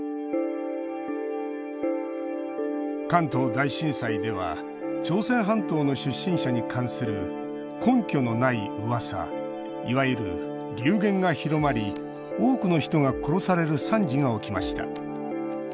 関東大震災では朝鮮半島の出身者に関する根拠のない、うわさいわゆる流言が広まり多くの人が殺される惨事が起きました。